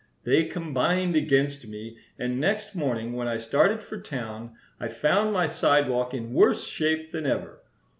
They combined against me, and next morning when I started for town I found my sidewalk in worse shape than ever.